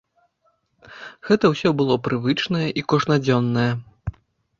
Гэта ўсё было прывычнае і кожнадзённае.